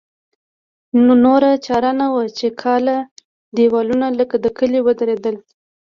نوره چاره نه وه چې کاله دېوالونه لکه د کلي ودرېدل.